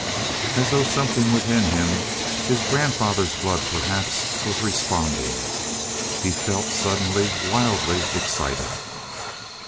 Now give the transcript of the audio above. As though something within him his grandfather's blood perhaps was responding.... He felt suddenly wildly excited.